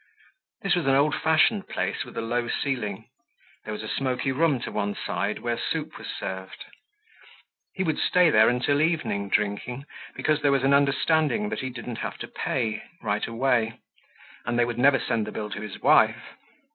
This was an old fashioned place with a low ceiling. There was a smoky room to one side where soup was served. He would stay there until evening drinking because there was an understanding that he didn't have to pay right away and they would never send the bill to his wife.